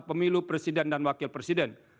pemilu presiden dan wakil presiden